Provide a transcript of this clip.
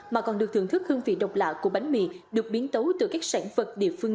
mà còn được thưởng thức hương vị độc lạ của bánh mì được biến tấu từ các sản vật địa phương